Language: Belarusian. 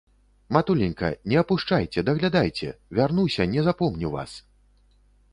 Матуленька не апушчайце, даглядайце, вярнуся, не запомню вас.